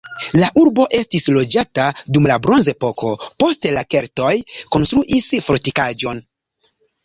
La urbo estis loĝata dum la bronzepoko, poste la keltoj konstruis fortikaĵon.